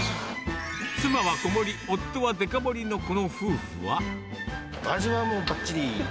妻は小盛り、夫はデカ盛りの味はもうばっちり。